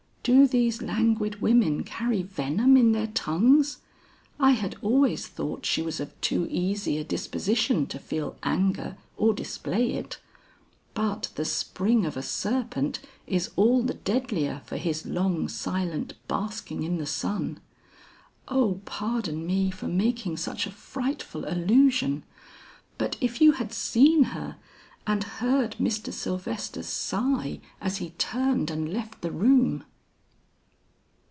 Do these languid women carry venom in their tongues? I had always thought she was of too easy a disposition to feel anger or display it; but the spring of a serpent is all the deadlier for his long silent basking in the sun. O pardon me for making such a frightful allusion. But if you had seen her and heard Mr. Sylvester's sigh as he turned and left the room!"